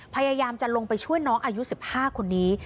พยายามจะลงไปช่วยน้องอายุ๑๕คนนี้